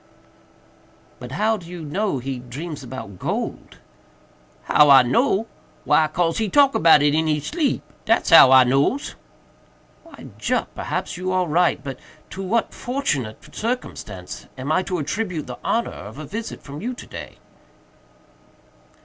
"But how do you know he dreams about gold?" "How I know? why 'cause he talk about it in he sleep—dat's how I nose." "Well, Jup, perhaps you are right; but to what fortunate circumstance am I to attribute the honor of a visit from you to day?"